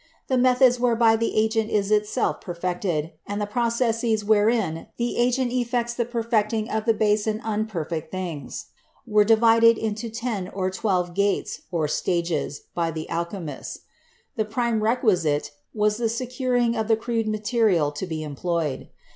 The methods whereby the agent is itself perfected, and the processes wherein the agent effects the perfecting of the base and imperfect things, were divided into ten or twelve "Gates," or stages, by the alchemists. The prime requisite was the securing of the crude material to be employed.